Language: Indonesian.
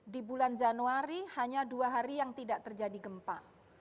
di bulan januari hanya dua hari yang tidak terjadi gempa